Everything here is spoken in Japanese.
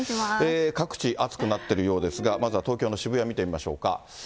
各地、暑くなっているようですが、まずは東京の渋谷、見てみましょうか。